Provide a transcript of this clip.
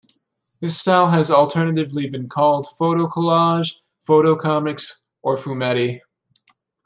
This style has alternately been called photocollage, photocomics or fumetti.